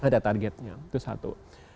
ada targetnya itu satu